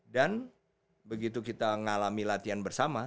dan begitu kita ngalami latihan bersama